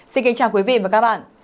xin kính chào quý vị và các bạn